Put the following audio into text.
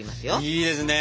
いいですね。